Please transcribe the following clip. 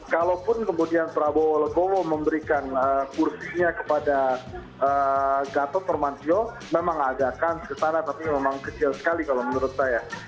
kalaupun kemudian prabowo legowo memberikan kursinya kepada gatot permantio memang agak kans ke sana tapi memang kecil sekali kalau menurut saya